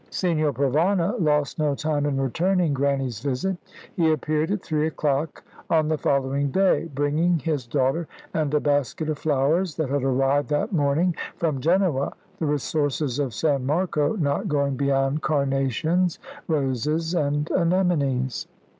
Signor Provana lost no time in returning Grannie's visit. He appeared at three o'clock on the following day, bringing his daughter, and a basket of flowers that had arrived that morning from Genoa, the resources of San Marco not going beyond carnations, roses and anemones.